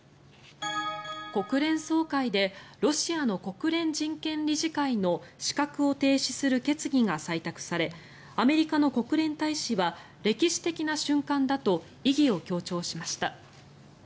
国連総会でロシアの国連人権理事会の資格を停止する決議が採択されアメリカの国連大使は歴史的な瞬間だと意義を強調しました。